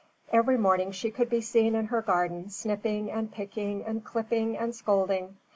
Every morning she could be seen in her garden snipping and picking and clipping and scolding.